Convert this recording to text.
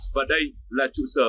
và đây là trụ sở